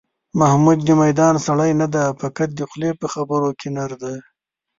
محمود د میدان سړی نه دی، فقط د خولې په خبرو کې نر دی.